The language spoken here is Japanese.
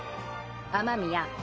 雨宮。